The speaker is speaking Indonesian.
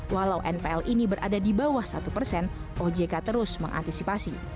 walau npl ini berada di bawah satu persen ojk terus mengantisipasi